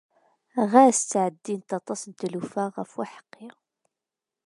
Ɣas ttɛeddint aṭas n tlufa ɣef uḥeqqi.